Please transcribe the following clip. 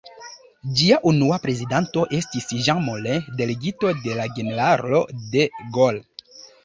Ĝia unua prezidanto estis Jean Moulin, delegito de la generalo de Gaulle.